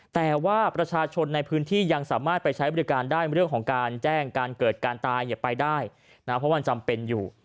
แต่ว่าประชาชนในพื้นที่ยังสามารถไปใช้บริการได้เรื่องของการแจ้งการเกิดการตายอย่าไปได้นะเพราะมันจำเป็นอยู่